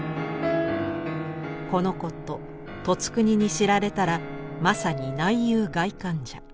「この事異国に知られたらまさに内憂外患じゃ。